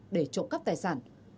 để trộm cắp tài sản